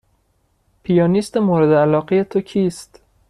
پیانیست مورد علاقه تو کیست؟